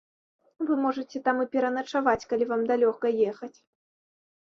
Вы можаце там і пераначаваць, калі вам далёка ехаць.